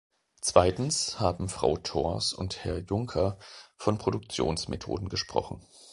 Zweitens haben Frau Thors und Herr Junker von Produktionsmethoden gesprochen.